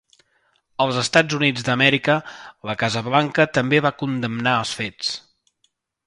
Als Estats Units d'Amèrica, la Casa Blanca també va condemnar els fets.